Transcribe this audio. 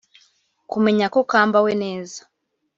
Kumenya ko kambawe neza